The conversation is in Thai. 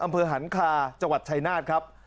อำเภอหันคาจังหวัดชายนาฏครับ